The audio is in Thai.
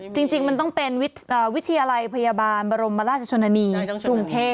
จริงมันต้องเป็นวิทยาลัยพยาบาลบรมราชชนนานีกรุงเทพ